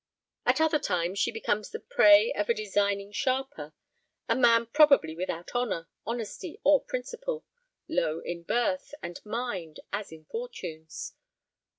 At other times, she becomes the prey of a designing sharper; a man probably without honour, honesty, or principle: low in birth and mind as in fortunes.